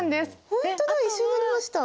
ほんとだ一緒になりました。